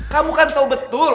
kamu kan tahu betul